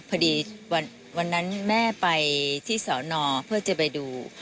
พอดีวันนั้นแม่ไปที่สอนอเพื่อจะไปดู